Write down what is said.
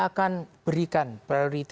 akan berikan priority